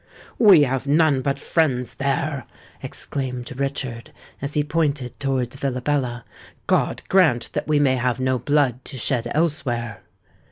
"We have none but friends there!" exclaimed Richard, as he pointed towards Villabella. "God grant that we may have no blood to shed elsewhere."